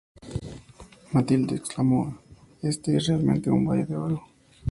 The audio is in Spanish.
Matilde exclamó: "¡Este es realmente un valle de oro!